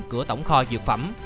cửa tổng kho dược phẩm